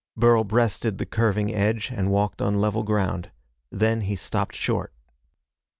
Burl breasted the curving edge, and walked on level ground. Then he stopped short.